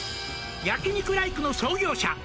「焼肉ライクの創業者」